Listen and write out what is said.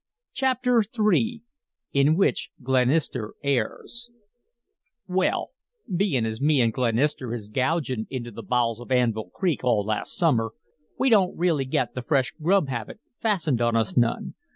CHAPTER III IN WHICH GLENISTER ERRS "Well, bein' as me an' Glenister is gougin' into the bowels of Anvil Creek all last summer, we don't really get the fresh grub habit fastened on us none.